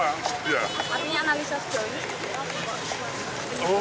artinya analisa sejauh ini